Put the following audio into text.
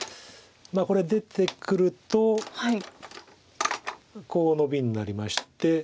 これ出てくるとこうノビになりまして。